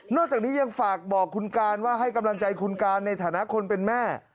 จากนี้ยังฝากบอกคุณการว่าให้กำลังใจคุณการในฐานะคนเป็นแม่